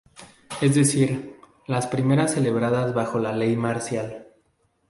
Es decir, las primeras celebradas bajo la Ley marcial.